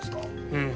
うん。